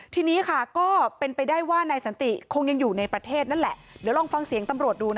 ทีนี้ค่ะก็เป็นไปได้ว่านายสันติคงยังอยู่ในประเทศนั่นแหละเดี๋ยวลองฟังเสียงตำรวจดูนะ